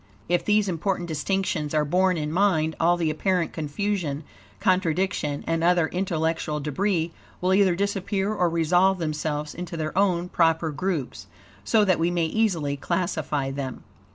If these important distinctions are borne in mind, all the apparent confusion, contradiction, and other intellectual debris, will either disappear or resolve themselves into their own proper groups, so that we may easily classify them.